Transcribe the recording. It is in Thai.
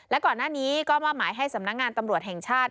และก่อนหน้านี้ก็มอบหมายให้สำนักงานตำรวจแห่งชาติ